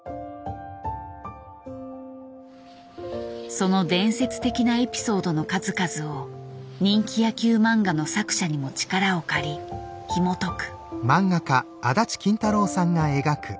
その伝説的なエピソードの数々を人気野球漫画の作者にも力を借りひもとく。